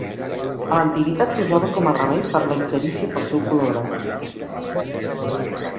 A l'antiguitat, s'usava com a remei per la icterícia pel seu color groc.